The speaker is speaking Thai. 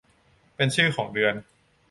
เป็นชื่อของเดือน